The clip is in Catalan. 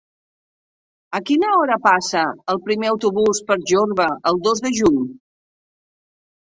A quina hora passa el primer autobús per Jorba el dos de juny?